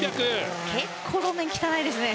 結構路面汚いですね。